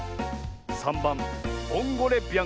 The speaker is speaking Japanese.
３ばん「ボンゴレビアンコ」。